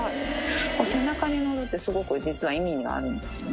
背中に乗るって、すごく実は意味があるんですよね。